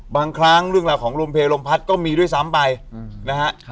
บางครั้งเรื่องราวของลมเพลลมพัดก็มีด้วยซ้ำไปนะฮะ